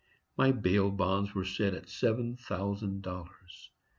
My bail bonds were set at seven thousand dollars.